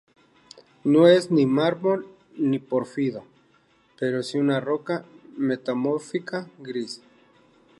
No es ni mármol ni pórfido pero sí una roca metamórfica gris.